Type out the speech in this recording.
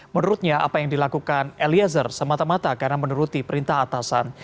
menurutnya apa yang dilakukan eliezer semata mata karena menuruti perintah atasan